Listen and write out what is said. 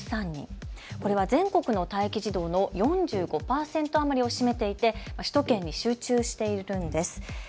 これは全国の待機児童の４５％余りを占めていて首都圏に集中しているんです。